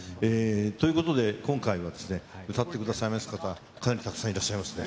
ということで、今回は歌ってくださいます方、かなりたくさんいらっしゃいますね。